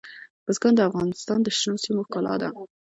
بزګان د افغانستان د شنو سیمو ښکلا ده.